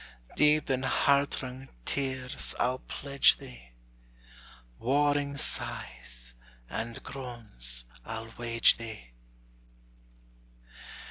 Deep in heart wrung tears I'll pledge thee, Warring sighs and groans I'll wage thee!